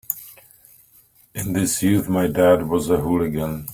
In his youth my dad was a hooligan.